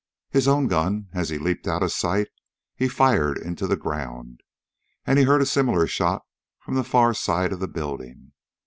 His own gun, as he leaped out of sight, he fired into the ground, and he heard a similar shot from the far side of the building.